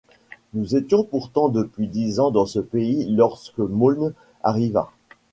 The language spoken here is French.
Nous étions pourtant depuis dix ans dans ce pays lorsque Meaulnes arriva.